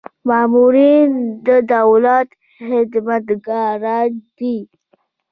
مامورین د دولت خدمتګاران دي